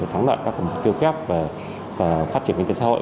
thắng lợi các mục tiêu kép về phát triển kinh tế xã hội